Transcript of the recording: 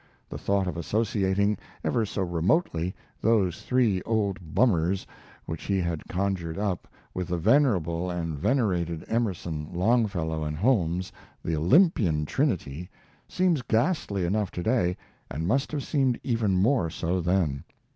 The thought of associating, ever so remotely, those three old bummers which he had conjured up with the venerable and venerated Emerson, Longfellow, and Holmes, the Olympian trinity, seems ghastly enough to day, and must have seemed even more so then.